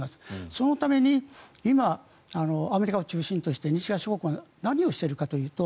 そのために今、アメリカを中心とした西側諸国は何をしているかというと